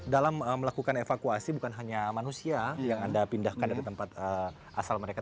dalam melakukan evakuasi bukan hanya manusia yang anda pindahkan dari tempat asal mereka